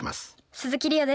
鈴木梨予です。